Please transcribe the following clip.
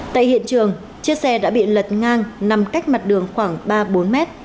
tại hiện trường chiếc xe đã bị lật ngang nằm cách mặt đường khoảng ba bốn mét